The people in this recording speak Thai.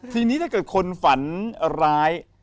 ทีนี้ถ้าเกิดคนฝันร้าย